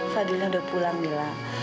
fadilnya udah pulang mila